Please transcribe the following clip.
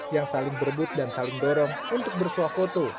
yang saling berebut dan saling dorong untuk bersuah foto